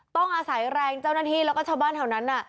ต้องอาศัยแรงเจ้าหน้าที่แล้วก็ชาวบ้านแถวนั้น